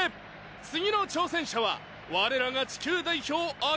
次の挑戦者は我らが地球代表明星かなた！